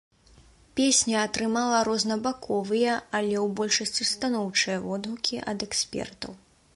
Песня атрымала рознабаковыя, але ў большасці станоўчыя водгукі ад экспертаў.